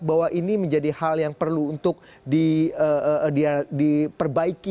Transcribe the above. bahwa ini menjadi hal yang perlu untuk diperbaiki